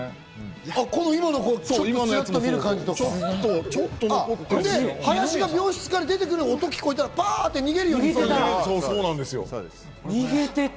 今のこのチラッと見る感じとか、で、林が病室から出てくる音が聞こえたらバっと逃げるようにしてた。